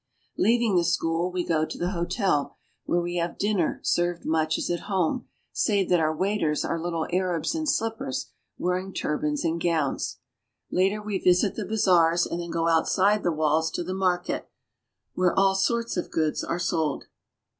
Leaving the school, we go on to the hotel, where we have dinner served much as at home, save that our waiters are little Arabs in slippers, wearing turbans and gowns. Later we visit the bazaars and then go outside the walls to the market, where all sorts of goods are sold.